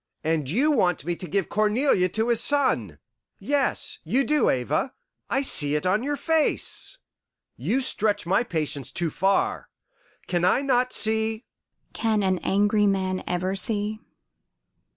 And you want me to give Cornelia to his son! Yes, you do, Ava! I see it on your face. You stretch my patience too far. Can I not see " "Can an angry man ever see?